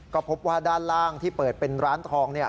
ก็พบว่าด้านล่างที่เปิดเป็นร้านทองเนี่ย